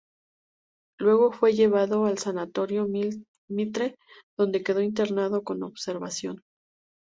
Luego fue llevado al Sanatorio Mitre, donde quedó internado con observación.